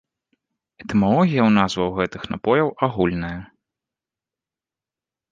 Этымалогія ў назваў гэтых напояў агульная.